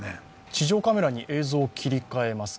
地上カメラに切り替えます。